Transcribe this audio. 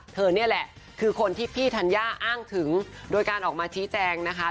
นี่แหละคือคนที่พี่ธัญญาอ้างถึงโดยการออกมาชี้แจงนะคะ